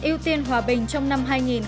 ưu tiên hòa bình trong năm hai nghìn một mươi bảy